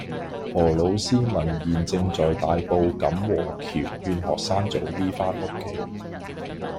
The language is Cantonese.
何老師問現正在大埔錦和橋勸學生早啲返屋企